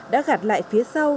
đã gạt lại phía sau